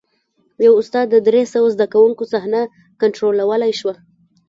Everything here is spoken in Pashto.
یوه استاد د درې سوه زده کوونکو صحنه کنټرولولی شوه.